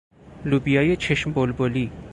لوبیای چشم بلبلی